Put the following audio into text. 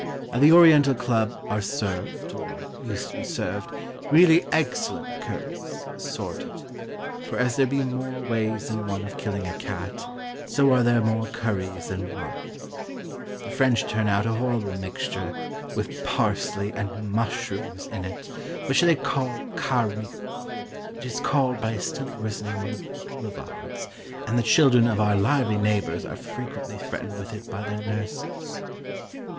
At the Oriental Club are served, or used to be served, really excellent curries, assorted; for as there be more ways than one of killing a cat, so are there more curries than one. The French turn out a horrible mixture, with parsley and mushrooms in it, which they call kari; it is called by a still worse name on the Boulevards, and the children of our lively neighbours are frequently threatened with it by their nurses.